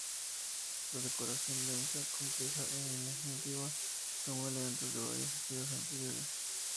La decoración, densa, compleja e imaginativa, tomó elementos de varios estilos anteriores.